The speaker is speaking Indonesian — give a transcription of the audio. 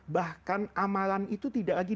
bahkan amalan itu tidak lagi